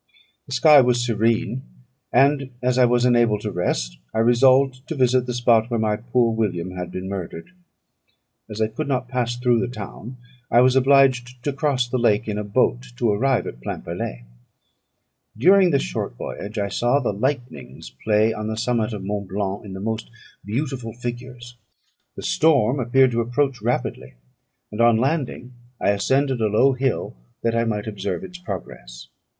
The sky was serene; and, as I was unable to rest, I resolved to visit the spot where my poor William had been murdered. As I could not pass through the town, I was obliged to cross the lake in a boat to arrive at Plainpalais. During this short voyage I saw the lightnings playing on the summit of Mont Blanc in the most beautiful figures. The storm appeared to approach rapidly; and, on landing, I ascended a low hill, that I might observe its progress.